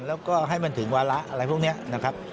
แล้วก็ให้มันถึงวาระอะไรพวกนี้นะครับ